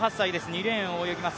２レーンを泳ぎます